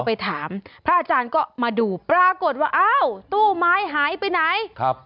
ไปถามพระอาจารย์ก็มาดูปรากฏว่าอ้าวตู้ไม้หายไปไหนครับ